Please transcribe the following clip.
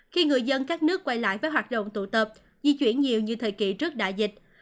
khi người dân các nước quay lại với hoạt động tụ tập di chuyển nhiều như thời kỳ trước đại dịch